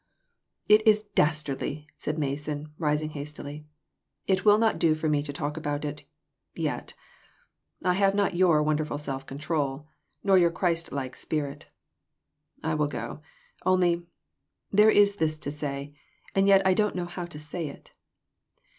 "It is dastardly!" said Mr. Mason, rising hastily. " It will not do for me to talk about it, yet ; I have not your wonderful self control, nor your Christ like spirit. I will go; only there is this to say, and yet I don't know how to say it.